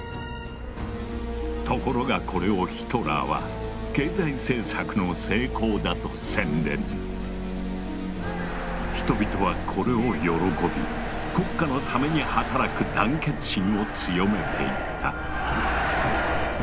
ところがこれをヒトラーは人々はこれを喜び国家のために働く団結心を強めていった。